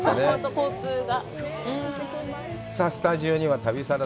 交通が。